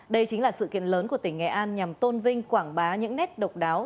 đây chính là sự kiện lớn của tỉnh nghệ an nhằm tôn vinh quảng bá những nét độc đáo